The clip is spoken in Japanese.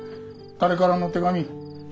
誰からの手紙？